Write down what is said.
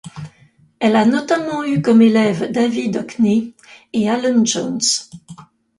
Elle a notamment eu comme élèves David Hockney et Allen Jones.